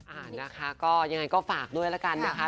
อ่านะคะก็ยังไงก็ฝากด้วยละกันนะคะ